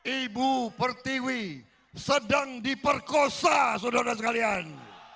ibu pertiwi sedang diperkosa saudara saudara sekalian